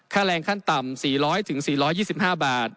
แรงขั้นต่ำ๔๐๐๔๒๕บาท